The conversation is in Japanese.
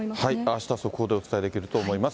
あした、速報でお伝えできると思います。